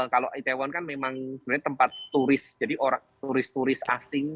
kalau itaewon kan memang sebenarnya tempat turis jadi turis turis asing